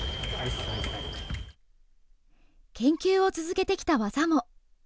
研究を続けてきた技も。